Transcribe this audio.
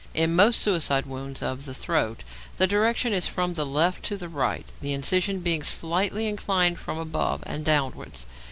In most suicidal wounds of the throat the direction is from left to right, the incision being slightly inclined from above downwards.